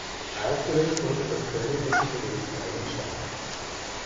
Aufgelöst wurde das Königliche Gericht Lauenstein.